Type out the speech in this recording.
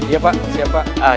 iya pak siap pak